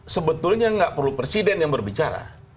sebetulnya nggak perlu presiden yang berbicara